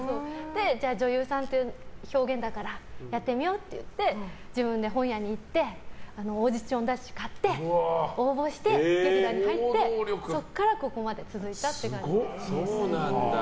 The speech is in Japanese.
じゃあ女優さんって表現だからやってみようって自分で本屋に行ってオーディション雑誌買って応募して、劇団に入ってそこからここまで続いたって感じです。